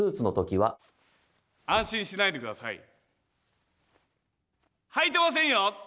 はいてませんよ！